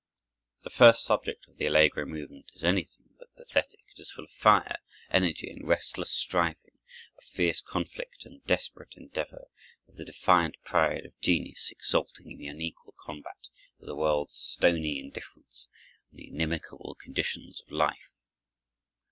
The first subject of the allegro movement is anything but pathetic. It is full of fire, energy, and restless striving; of fierce conflict and desperate endeavor; of the defiant pride of genius exulting in the unequal combat with the world's stony indifference, and the inimical conditions of life.